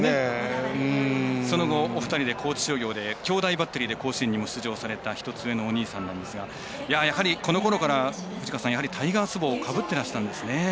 その後お二人は高知商業で兄弟でバッテリーで甲子園にも出場された１つ上のお兄さんなんですがこのころから、タイガース帽かぶってらっしゃったんですね。